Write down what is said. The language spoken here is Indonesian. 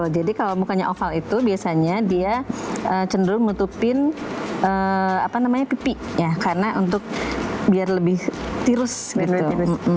jadi kalau mukanya oval itu biasanya dia cenderung menutupin pipi ya karena untuk biar lebih tirus gitu